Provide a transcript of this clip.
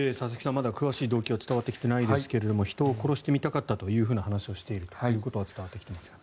まだ詳しい動機は伝わってきてませんが人を殺してみたかったという話をしているということは伝わってきていますが。